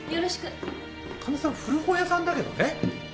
神田さん古本屋さんだけどね。